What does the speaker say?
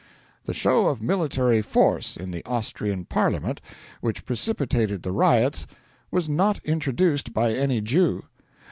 The show of military force in the Austrian Parliament, which precipitated the riots, was not introduced by any Jew.